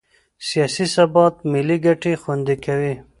سیاسي ثبات ملي ګټې خوندي کوي